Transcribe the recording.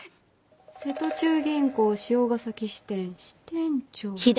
「瀬戸中銀行汐ヶ崎支店支店長」。